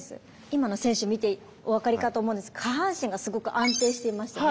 今の選手を見てお分かりかと思うんですが下半身がすごく安定していましたね。